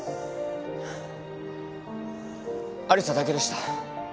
有沙だけでした。